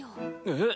えっ？